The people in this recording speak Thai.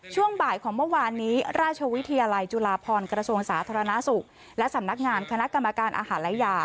ช่วงบ่ายของเมื่อวานนี้ราชวิทยาลัยจุฬาพรกระทรวงสาธารณสุขและสำนักงานคณะกรรมการอาหารและยา